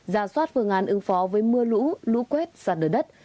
giả soát phương án ứng phó với mưa lũ lũ quét sạt lửa đất